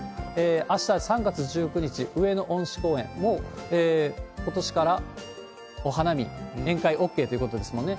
あした３月１９日、上野恩賜公園、もうことしから、お花見、宴会ＯＫということですもんね。